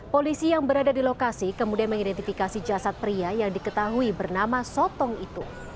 polisi yang berada di lokasi kemudian mengidentifikasi jasad pria yang diketahui bernama sotong itu